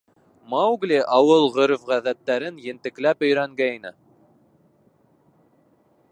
Маугли ауыл ғөрөф-ғәҙәттәрен ентекләп өйрәнгәйне.